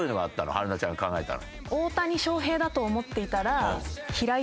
春奈ちゃんが考えたの。